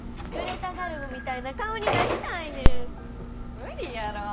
無理やろ。